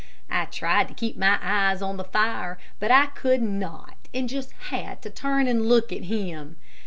I tried to keep my eyes on the fire, but I could not, and just had to turn and look at him.